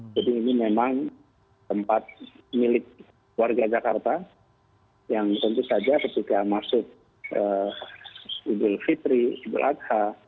jadi ini memang tempat milik warga jakarta yang tentu saja ketika masuk ke ibu fitri ibu adha